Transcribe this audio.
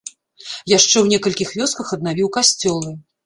Яшчэ ў некалькіх вёсках аднавіў касцёлы.